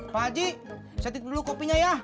pak haji saya titip dulu kopinya ya